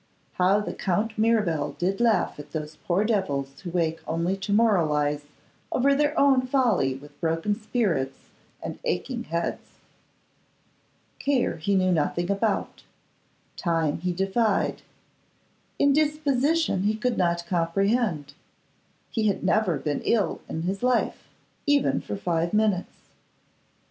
How the Count Mirabel did laugh at those poor devils who wake only to moralise over their own folly with broken spirits and aching heads! Care he knew nothing about; Time he defied; indisposition he could not comprehend. He had never been ill in his life, even for five minutes.